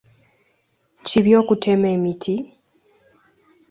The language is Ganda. Kibi okutema emiti?